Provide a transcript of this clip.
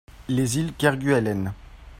Les Îles Kerguelen.